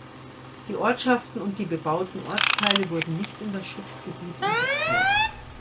Die Ortschaften und die bebauten Ortsteile wurden nicht in das Schutzgebiet integriert.